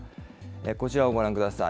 こちらをご覧ください。